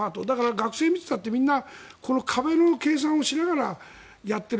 学生を見ていたってみんな壁の計算をしながらやっている。